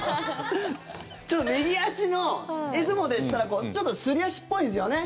ちょっと右足のいつもでしたらちょっとすり足っぽいんですよね。